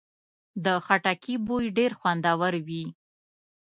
د خټکي بوی ډېر خوندور وي.